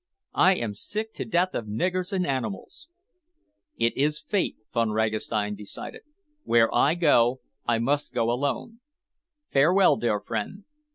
I am sick to death of niggers and animals." "It is Fate," Von Ragastein decided. "Where I go, I must go alone. Farewell, dear friend!